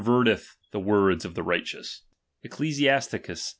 penerteth the words of the righteous. Ecclesias ticns XX.